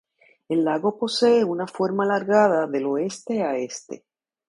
El lago posee forma alargada de oeste a este.